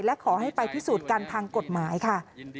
และขอให้ไปพิสูจน์กันทางกฎหมายค่ะ